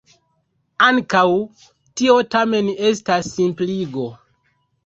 Ankaŭ tio tamen estas simpligo.